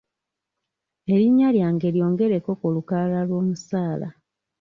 Erinnya lyange lyongereko ku lukalala lw'omusaala.